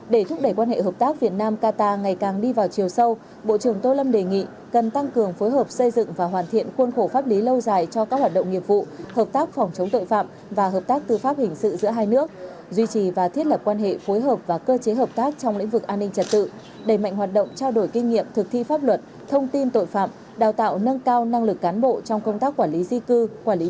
để thúc đẩy quan hệ hợp tác việt nam qatar ngày càng đi vào chiều sâu bộ trưởng tô lâm đề nghị cần tăng cường phối hợp xây dựng và hoàn thiện khuôn khổ pháp lý lâu dài cho các hoạt động nghiệp vụ hợp tác phòng chống tội phạm và hợp tác tư pháp hình sự giữa hai nước duy trì và thiết lập quan hệ phối hợp và cơ chế hợp tác trong lĩnh vực an ninh trật tự đẩy mạnh hoạt động trao đổi kinh nghiệm thực thi pháp luật thông tin tội phạm đào tạo nâng cao năng lực cán bộ trong công tác quản lý di cư qu